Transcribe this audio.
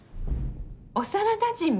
幼なじみ？